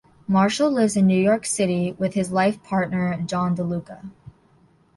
Marshall lives in New York City with his life partner John DeLuca.